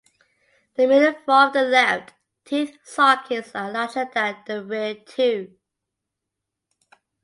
The middle four of the left teeth sockets are larger than the rear two.